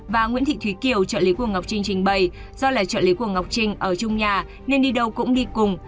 và nguyễn thị thúy kiều trợ lý của ngọc trinh trình bày do là trợ lý của ngọc trinh ở chung nhà nên đi đâu cũng đi cùng